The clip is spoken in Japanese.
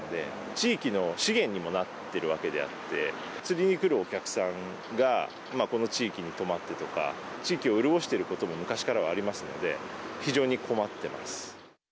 地域の資源にもなってるわけであって、釣りに来るお客さんがこの地域に泊まってとか、地域を潤していることも昔からはありますので、非常に困ってます。